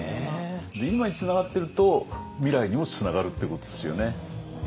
今につながってると未来にもつながるっていうことですよね。